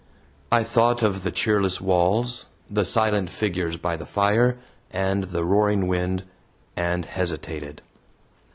I thought of the cheerless walls, the silent figures by the fire, and the roaring wind, and hesitated.